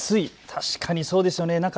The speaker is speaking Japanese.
確かにそうですよね。